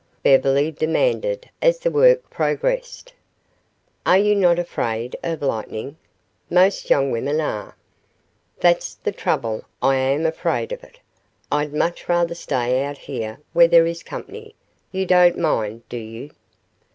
Beverly demanded, as the work progressed. "Are you not afraid of lightning? Most young women are." "That's the trouble. I am afraid of it. I'd much rather stay out here where there is company. You don't mind, do you?"